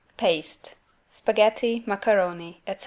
PASTE SPAGHETTI, MACARONI ETC.